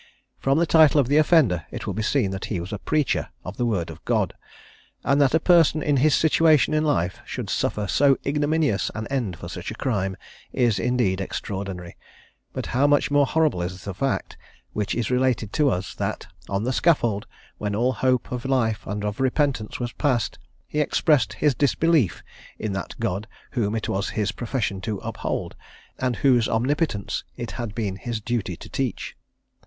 From the title of the offender, it will be seen that he was a preacher of the word of God; and that a person in his situation in life should suffer so ignominious an end for such a crime, is indeed extraordinary; but how much more horrible is the fact which is related to us, that on the scaffold, when all hope of life and of repentance was past, he expressed his disbelief in that God whom it was his profession to uphold, and whose omnipotence it had been his duty to teach!